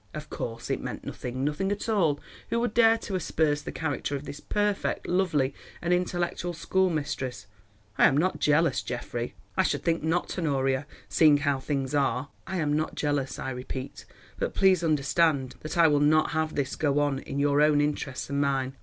Of course it meant nothing, nothing at all. Who would dare to asperse the character of this perfect, lovely, and intellectual schoolmistress? I am not jealous, Geoffrey——" "I should think not, Honoria, seeing how things are." "I am not jealous, I repeat, but please understand that I will not have this go on, in your own interests and mine.